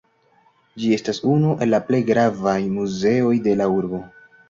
Ĝi estas unu el la plej gravaj muzeoj de la urbo.